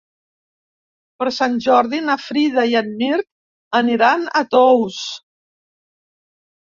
Per Sant Jordi na Frida i en Mirt aniran a Tous.